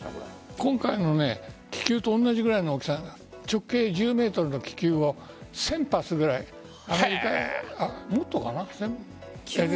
今回の気球と同じくらいの大きさ直径１０ｍの気球を１０００発くらいもっとかな。